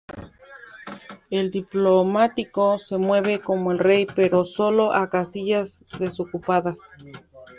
El diplomático se mueve como el rey, pero solo a casillas desocupadas.